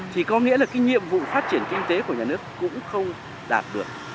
thì có nghĩa là cái nhiệm vụ phát triển kinh tế của nhà nước cũng không đạt được